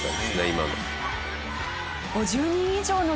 今の。